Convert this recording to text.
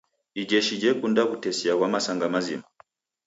Ijeshi jekunda w'utesia ghwa masanga mazima.